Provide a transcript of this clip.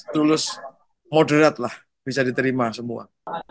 tulus moderat lah bisa diterima semua